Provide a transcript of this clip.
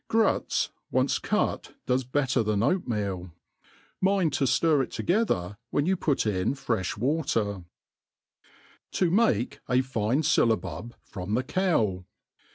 Oruts once cut does better than oatmeal, Mind to ftir it together when you put in <fre(h water, I To make a fim Syllabub from the Cow.